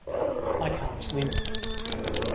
I can't swim.